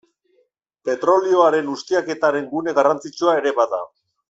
Petrolioaren ustiaketaren gune garrantzitsua ere bada.